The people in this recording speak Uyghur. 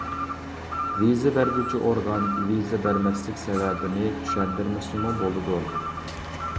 ۋىزا بەرگۈچى ئورگان ۋىزا بەرمەسلىك سەۋەبىنى چۈشەندۈرمىسىمۇ بولىدۇ.